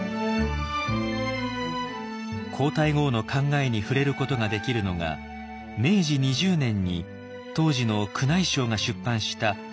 皇太后の考えに触れることができるのが明治２０年に当時の宮内省が出版した「婦女鑑」の序文です。